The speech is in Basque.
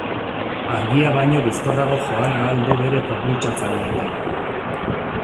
Argia baino bizkorrago joan ahal du bere propultsatzaileekin.